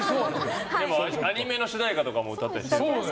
アニメの主題歌とかも歌ったりしてるから。